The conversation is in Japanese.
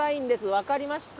分かりましたか？